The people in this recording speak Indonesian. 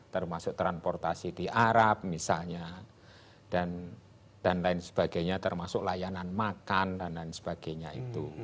termasuk transportasi di arab misalnya dan lain sebagainya termasuk layanan makan dan lain sebagainya itu